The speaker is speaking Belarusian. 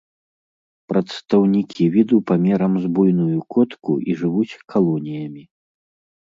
Прадстаўнікі віду памерам з буйную котку і жывуць калоніямі.